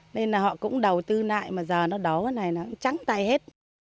nên là họ cũng đầu tư lại mà giờ nó đó hết này nó trắng tay hết